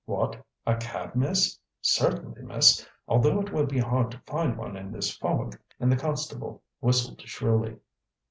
"What; a cab, miss? Certainly, miss, although it will be hard to find one in this fog," and the constable whistled shrilly.